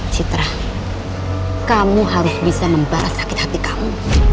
citra kamu harus bisa membalas sakit hati kamu